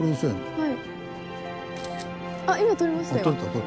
はい。